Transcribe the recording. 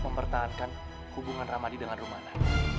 mempertahankan hubungan ramadi dengan rumah